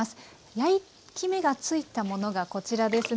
焼き目が付いたものがこちらですね。